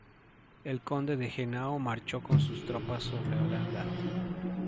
El conde de Henao marchó con sus tropas sobre Holanda.